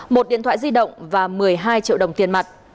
một điện thoại di động và một mươi hai triệu đồng tiền mặt